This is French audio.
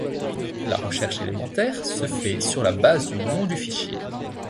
La recherche élémentaire se fait sur la base du nom du fichier.